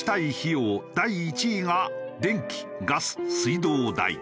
第１位が電気ガス水道代。